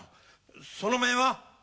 その面は？